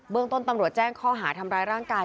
เมืองต้นตำรวจแจ้งข้อหาทำร้ายร่างกาย